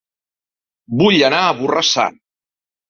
Vull anar a Borrassà